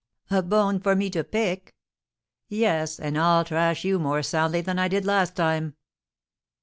"A bone for me to pick?" "Yes; and I'll thrash you more soundly than I did last time."